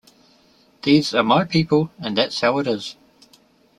These are my people and that's how it is.